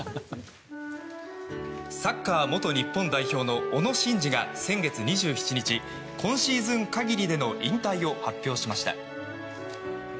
サッカー元日本代表の小野伸二が、先月２７日今シーズン限りでの引退を発表しました。